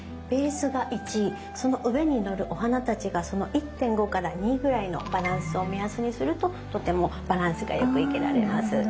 ベースが１その上にのるお花たちがその１．５から２ぐらいのバランスを目安にするととてもバランスがよく生けられます。